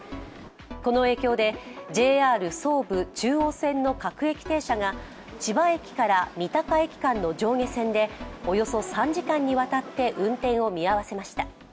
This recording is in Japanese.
この影響でＪＲ総武・中央線の各駅停車が千葉駅から三鷹駅間の上下線でおよそ３時間にわたって運転を見合わせました。